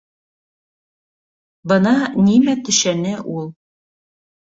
Бына нимә төшәне ул.